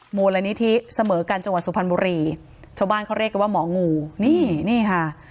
มูลนิธิเสมอกันจังหวัดสุพรรณบุรีชาวบ้านเขาเรียกกันว่าหมองูนี่นี่ค่ะ